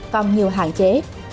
còn nhiều hạn chế